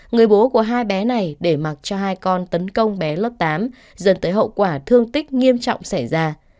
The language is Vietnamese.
người bố của hai bé này để mặc cho hai con tấn công bé lớp tám dần tới hậu quả thương tích nghiêm trọng xảy ra